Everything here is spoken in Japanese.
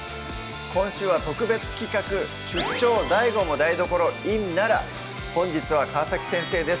今週は特別企画「出張ＤＡＩＧＯも台所ｉｎ奈良」本日は川先生です